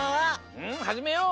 うんはじめよう！